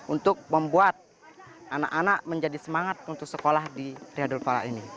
untuk membuat anak anak menjadi semangat untuk sekolah di riadul fala ini